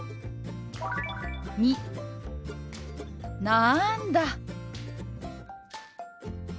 「なんだ」。